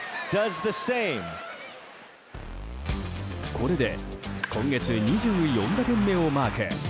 これで今月２４打点目をマーク。